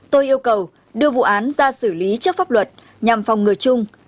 tôi yêu cầu đưa vụ án ra xử lý trước pháp luật nhằm phòng ngừa chung